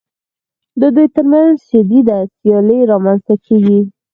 د دوی ترمنځ شدیده سیالي رامنځته کېږي